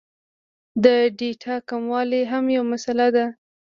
د ډېټا کموالی هم یو مسئله ده